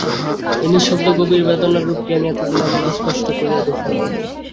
এই নিঃশব্দ গভীর বেদনার রূপটি আমি এতদিন এমন স্পষ্ট করিয়া দেখি নাই!